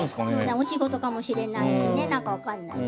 お仕事かもしれないし分からないね。